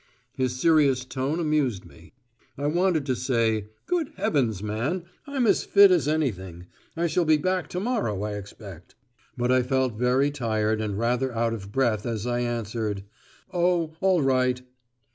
His serious tone amused me. I wanted to say, "Good heavens, man, I'm as fit as anything. I shall be back to morrow, I expect." But I felt very tired and rather out of breath as I answered "Oh! all right."